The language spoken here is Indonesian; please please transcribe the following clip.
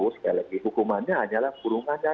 sekali lagi hukumannya hanyalah kurungannya